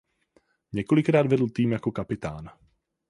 Několikrát vedl tým jako kapitán.